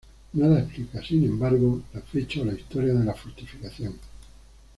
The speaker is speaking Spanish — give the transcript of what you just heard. Nada explica, sin embargo, la fecha o la historia de la fortificación.